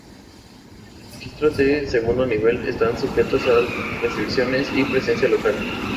Los registros de segundo nivel están sujetos a restricciones y presencia local.